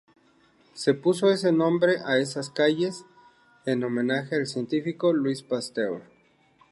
Se puso ese nombre a esas calles, en homenaje al científico Louis Pasteur.